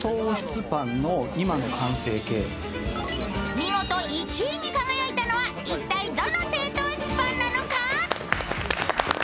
見事１位に輝いたのは一体、どの低糖質パンなのか。